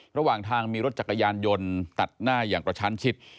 ระหว่างทางมีรถจักรยานยนต์ตัดหน้าอย่างกระชั้นชิด